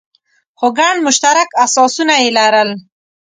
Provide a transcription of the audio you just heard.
خو ګڼ مشترک اساسونه یې لرل.